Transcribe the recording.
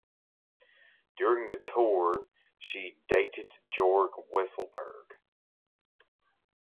During the Tour she Datet Jorg Weisselberg.